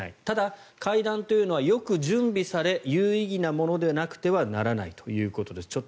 ただ、会談というのはよく準備され有意義なものでなくてはならないということです。